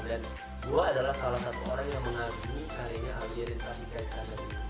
dan gua adalah salah satu orang yang mengalami karyanya aliyah dan taksa arab